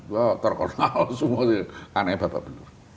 wah terkenal semua anaknya bapak benar